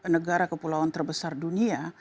negara kepulauan terbesar dunia